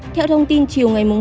theo thông tin chiều hai năm